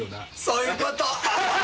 そういうこと！